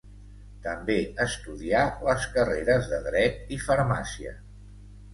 També estudià les carreres de Dret i Farmàcia.